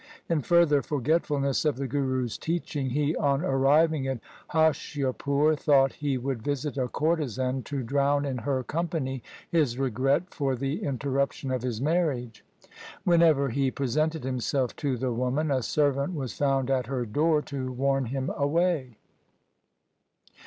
In further forgetfulness of the Guru's teaching, he on arriving at Hoshiarpur thought he would visit a courtesan to drown in her company his regret for the interruption of his marriage. Whenever he presented himself to the woman, a servant was found at her door to warn him away.